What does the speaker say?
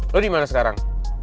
lo dimana sekarang